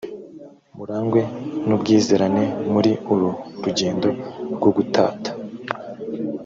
murangwe n ubwizerane muri uru rugendo rwo gutata